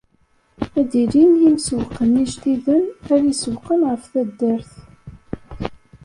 Ad d-ilin yimsewwqen ijdiden ara isewwqen ɣef taddart.